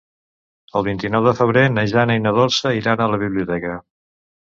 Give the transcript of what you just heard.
El vint-i-nou de febrer na Jana i na Dolça iran a la biblioteca.